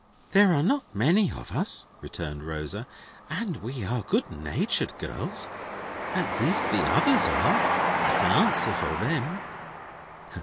"There are not many of us," returned Rosa, "and we are good natured girls; at least the others are; I can answer for them."